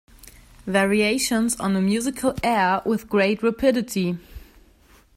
Variations on a musical air With great rapidity.